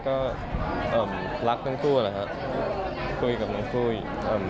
ผมก็คุยกับพ่อและแม่ก็รักทั้งคู่แหละครับคุยกับทั้งคู่